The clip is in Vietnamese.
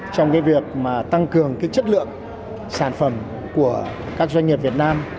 trong việc tăng cường chất lượng sản phẩm của các doanh nghiệp việt nam